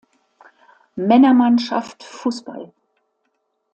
Männermannschaft Fußball.